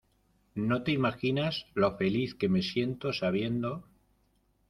no te imaginas lo feliz que me siento sabiendo